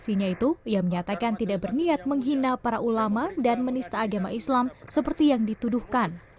sebelumnya penyelamatnya pak jokowi mengatakan bahwa dia tidak ingin menghina ulama dan agama islam